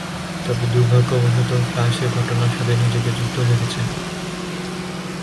তবে, দূর্ভাগ্যবশতঃ ফ্লাশ এ ঘটনার সাথে নিজেকে যুক্ত রেখেছেন।